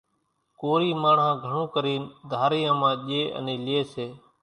ڪورِي ماڻۿان گھڻو ڪرينَ ڌاريان مان ڄيَ انين ليئيَ سي۔